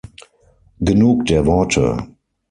Genug der Worte!